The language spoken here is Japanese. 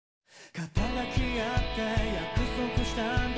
「肩抱き合って約束したんだ